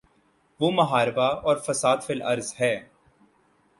وہ محاربہ اور فساد فی الارض ہے۔